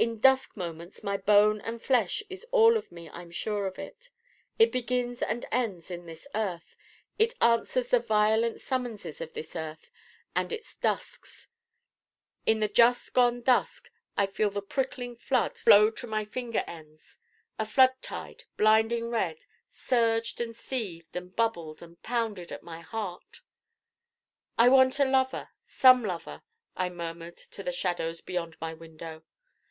In dusk moments my bone and flesh is all of me I'm sure of. It begins and ends in this earth. It answers the violent summonses of this earth and its dusks. In the just gone dusk I felt the prickling blood flow to my finger ends. A flood tide, blinding red, surged and seethed and bubbled and pounded at my heart. 'I want a Lover some Lover' I murmured to the shadows beyond my window.